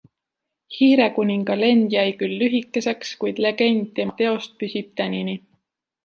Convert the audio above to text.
Hiirekuninga lend jäi küll lühikeseks, kuid legend tema teost püsib tänini.